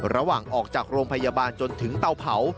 ระหว่างออกจากโรงพยาบาลจนถึงเตาเผา